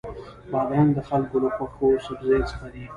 بادرنګ د خلکو له خوښو سبزیو څخه دی.